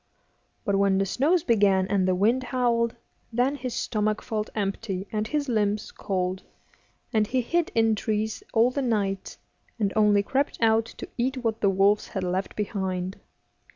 But when the snows began and the wind howled, then his stomach felt empty and his limbs cold, and he hid in trees all the night, and only crept out to eat what the wolves had left behind.